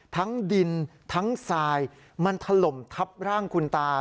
ทั้งดินทั้งทรายมันถล่มทับร่างคุณตา